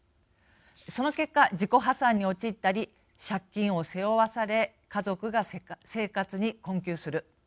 その結果、自己破産に陥ったり借金を背負わされ家族が生活に困窮する。